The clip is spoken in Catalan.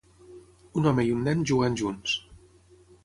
Un home i un nen jugant junts.